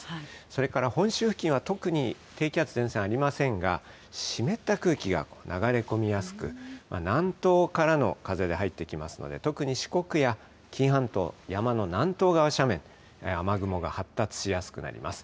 それから本州付近は特に低気圧、前線ありませんが、湿った空気が流れ込みやすく、南東からの風で入ってきますので、特に四国や紀伊半島、山の南東側斜面、雨雲が発達しやすくなります。